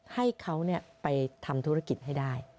ให้เขาไปทำธุรกิจให้ได้